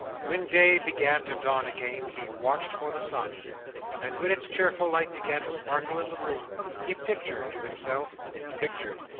When day began to dawn again, he watched for the sun; and when its cheerful light began to sparkle in the room, he pictured to himself—pictured!